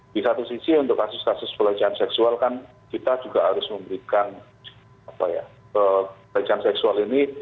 di satu sisi untuk kasus kasus pelecehan seksual kan kita juga harus memberikan pelecehan seksual ini